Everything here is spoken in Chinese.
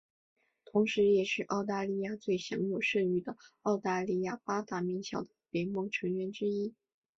同时也是澳大利亚最享有盛誉的澳大利亚八大名校的联盟成员之一。